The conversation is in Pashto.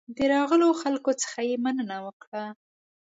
د راغلو خلکو څخه یې مننه وکړه.